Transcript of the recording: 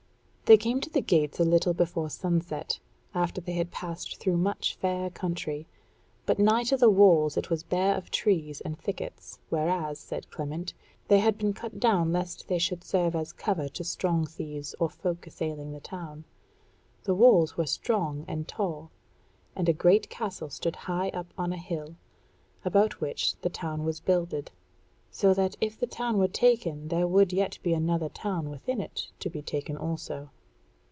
They came to the gates a little before sunset, after they had passed through much fair country; but nigh to the walls it was bare of trees and thickets, whereas, said Clement, they had been cut down lest they should serve as cover to strong thieves or folk assailing the town. The walls were strong and tall, and a great castle stood high up on a hill, about which the town was builded; so that if the town were taken there would yet be another town within it to be taken also.